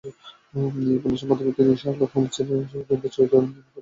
এই উপন্যাসের মাধ্যমে তিনি "শার্লক হোমস" নামের গোয়েন্দা চরিত্র নির্মাণ করেন।